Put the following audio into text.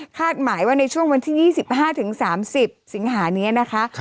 หมายว่าในช่วงวันที่๒๕๓๐สิงหานี้นะคะ